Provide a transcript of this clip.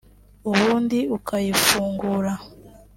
ubundi ukayifungura